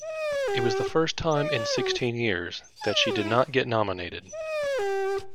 It was the first time in sixteen years that she did not get nominated.